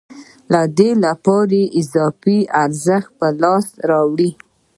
له دې لارې اضافي ارزښت په لاس راوړي